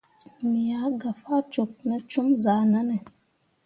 Me ah gah faa cok ne com zahʼnanne.